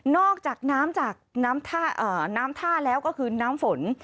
นอกจากน้ำท่าแล้วก็คือน้ำฝน